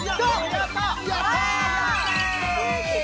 やったー！